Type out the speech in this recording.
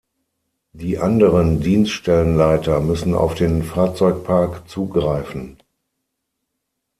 Die anderen Dienststellenleiter müssen auf den Fahrzeugpark zugreifen.